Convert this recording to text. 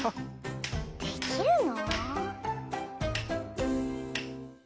できるの？